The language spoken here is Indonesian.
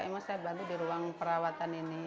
emang saya bantu di ruang perawatan ini